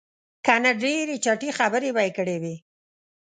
که نه ډېرې چټي خبرې به یې کړې وې.